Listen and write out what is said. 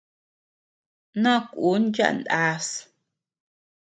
Noʼö kun yaʼa naas.